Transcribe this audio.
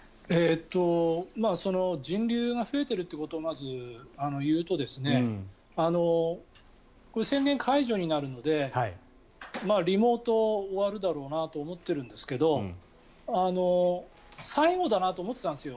人流が増えているということをまず言うと宣言解除になるのでリモート、終わるだろうなと思っているんですけれど最後だなと思ってたんですよ